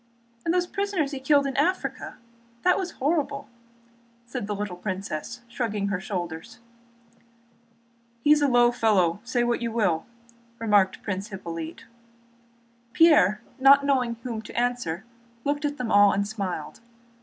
"And the prisoners he killed in Africa? That was horrible!" said the little princess, shrugging her shoulders. "He's a low fellow, say what you will," remarked Prince Hippolyte. Pierre, not knowing whom to answer, looked at them all and smiled.